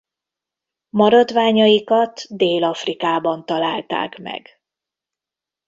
Maradványaikat Dél-Afrikában találták meg.